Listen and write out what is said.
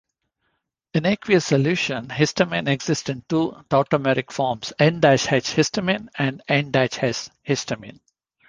In aqueous solution, histamine exists in two tautomeric forms: "N-H"-histamine and "N-H"-histamine.